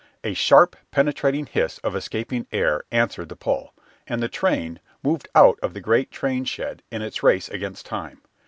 A sharp, penetrating hiss of escaping air answered the pull, and the train moved out of the great train shed in its race against time.